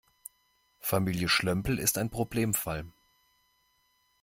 Familie Schlömpel ist ein Problemfall.